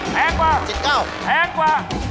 แพงกว่า๗๙